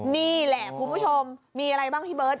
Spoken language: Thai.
นี่แหละคุณผู้ชมมีอะไรบ้างพี่เบิร์ต